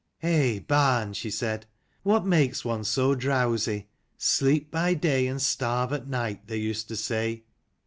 "Eh, barn," she said, "what makes one so drowsy ? sleep by day and starve at night, they used to say."